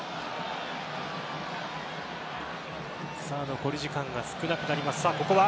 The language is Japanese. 残り時間が少なくなります。